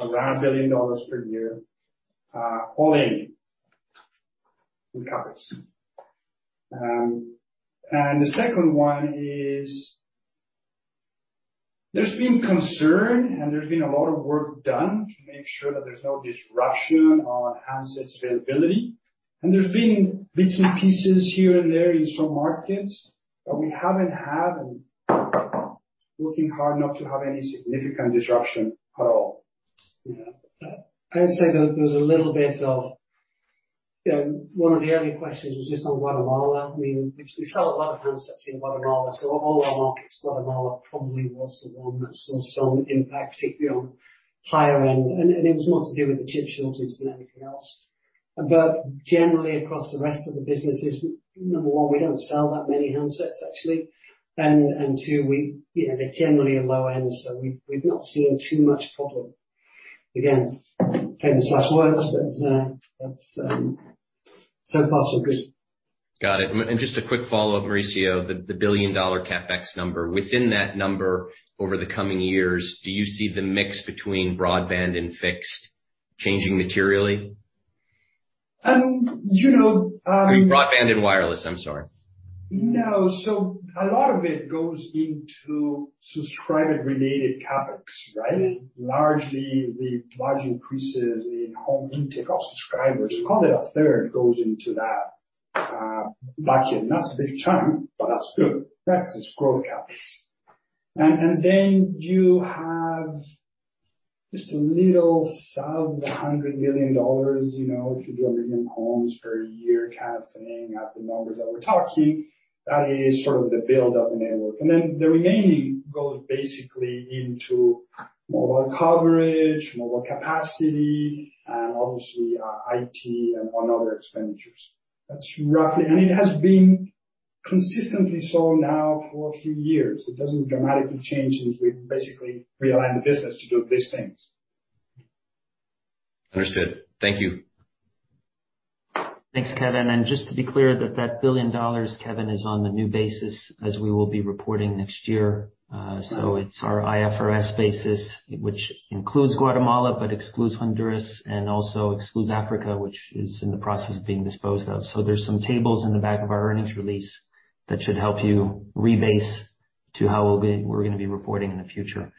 around $1 billion per year, all in CapEx. The second one is there's been concern and there's been a lot of work done to make sure that there's no disruption on handset availability. There's been bits and pieces here and there in some markets, but we haven't had and looking hard not to have any significant disruption at all. Yeah. I'd say there's a little bit of. One of the early questions was just on Guatemala. I mean, we sell a lot of handsets in Guatemala, so of all our markets, Guatemala probably was the one that saw some impact, particularly on higher end. It was more to do with the chip shortages than anything else. Generally across the rest of the businesses, number one, we don't sell that many handsets, actually. Two, we, you know, they're generally at low end, so we've not seen too much problem. Again, famous last words, but so far, so good. Got it. Just a quick follow-up, Mauricio, the billion-dollar CapEx number. Within that number, over the coming years, do you see the mix between broadband and fixed changing materially? You know. I mean, broadband and wireless, I'm sorry. No. A lot of it goes into subscriber-related CapEx, right? Largely, the large increases in home internet subscribers, probably a third goes into that bucket. That's a big chunk, but that's good. Yeah. 'Cause it's growth CapEx. Then you have just a little sub-$100 million, you know, if you do 1 million homes per year kind of thing at the numbers that we're talking, that is sort of the build of the network. The remaining goes basically into mobile coverage, mobile capacity, and obviously, IT and other expenditures. That's roughly. It has been consistently so now for a few years. It doesn't dramatically change since we basically realigned the business to do these things. Understood. Thank you. Thanks, Kevin. Just to be clear that $1 billion, Kevin, is on the new basis as we will be reporting next year. It's our IFRS basis, which includes Guatemala, but excludes Honduras and also excludes Africa, which is in the process of being disposed of. There's some tables in the back of our earnings release that should help you rebase to how we're gonna be reporting in the future.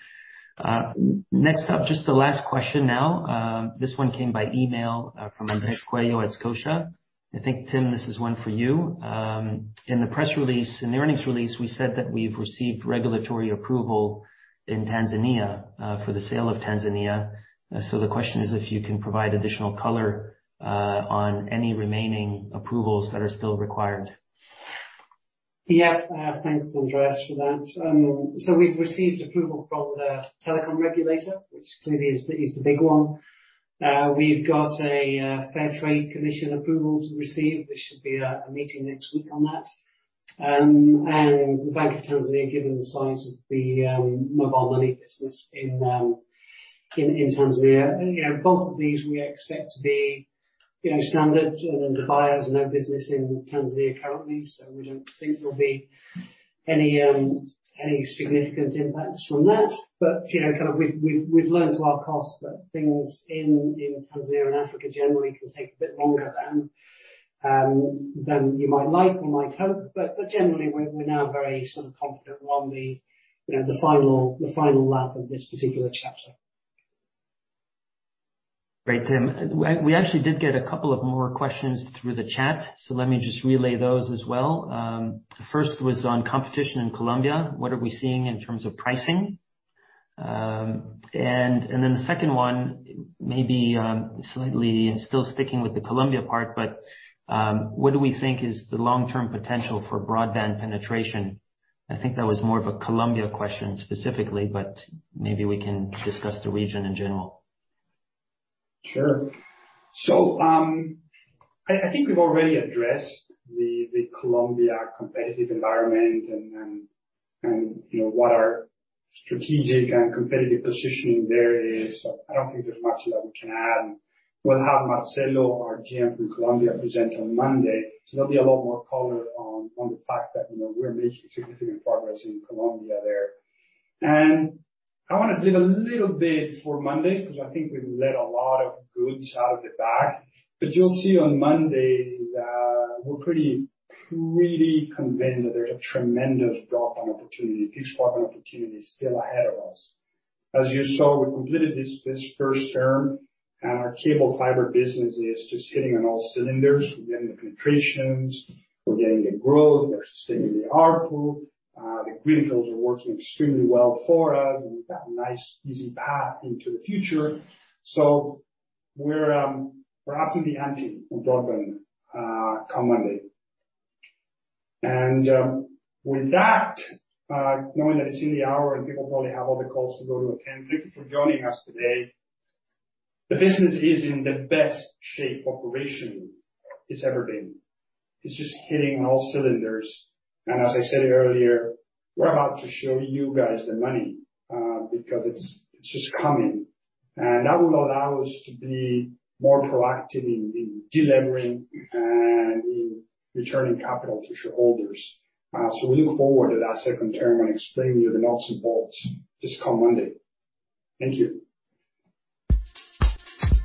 Next up, just the last question now. This one came by email from Andrés Coello at Scotia. I think, Tim, this is one for you. In the earnings release, we said that we've received regulatory approval in Tanzania for the sale of Tanzania. The question is if you can provide additional color on any remaining approvals that are still required. Yeah. Thanks, Andrés, for that. So we've received approval from the telecom regulator, which clearly is the big one. We've got Fair Competition Commission approval to receive; there should be a meeting next week on that. The Bank of Tanzania, given the size of the mobile money business in Tanzania. You know, both of these we expect to be, you know, standard. Axian has no business in Tanzania currently, so we don't think there'll be any significant impacts from that. You know, kind of we've learned to our cost that things in Tanzania and Africa generally can take a bit longer than you might like or might hope. Generally we're now very sort of confident we're on the, you know, the final lap of this particular chapter. Great, Tim. We actually did get a couple of more questions through the chat, so let me just relay those as well. The first was on competition in Colombia. What are we seeing in terms of pricing? The second one may be slightly still sticking with the Colombia part, but what do we think is the long-term potential for broadband penetration? I think that was more of a Colombia question specifically, but maybe we can discuss the region in general. Sure. I think we've already addressed the Colombia competitive environment and, you know, what our strategic and competitive positioning there is. I don't think there's much that we can add. We'll have Marcelo, our GM from Colombia, present on Monday, so there'll be a lot more color on the fact that, you know, we're making significant progress in Colombia there. I wanna leave a little bit for Monday because I think we've let a lot of goods out of the bag. You'll see on Monday that we're pretty convinced that there's a tremendous broadband opportunity, fixed broadband opportunity still ahead of us. As you saw, we completed this first term, and our cable fiber business is just hitting on all cylinders. We're getting the penetrations, we're getting the growth, they're staying in the ARPU. The greenfields are working extremely well for us, and we've got a nice easy path into the future. We're upping the ante on broadband come Monday. With that, knowing that it's the hour and people probably have other calls to attend, thank you for joining us today. The business is in the best shape operationally it's ever been. It's just hitting on all cylinders. As I said earlier, we're about to show you guys the money because it's just coming. That will allow us to be more proactive in delivering and in returning capital to shareholders. We look forward to that second half and explaining to you the nuts and bolts this coming Monday. Thank you.